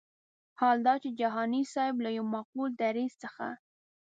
حال دا چې جهاني صاحب له یو معقول دریځ څخه.